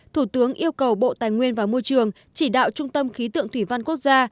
thủ tướng yêu cầu bộ tài nguyên và môi trường chỉ đạo trung tâm khí tượng thủy văn quốc gia